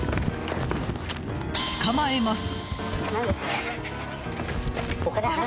捕まえます。